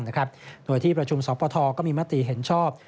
หน่วยที่ประชุมสรรพทธอก็มีมาตรีเห็นชอบ